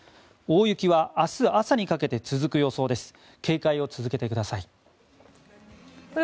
大雪は明日朝にかけて続く予想です。